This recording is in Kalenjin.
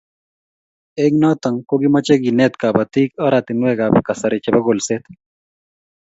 Eng' notok ko kimache kenet kabatik aratinwek ab kasari chebo kolset